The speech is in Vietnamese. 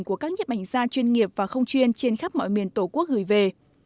của các nhếp ảnh gia chuyên nghiệp và không chuyên trên khắp mọi miền tổ quốc gửi về